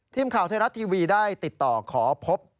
ทีมข่าวไทยรัฐทีวีได้ติดต่อขอพบ